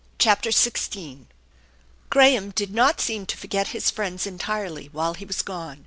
CHAPTER XVI GRAHAM did not seem to forget his friends entirely while he was gone.